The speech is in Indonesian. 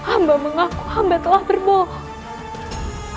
amba mengaku amba telah berbohong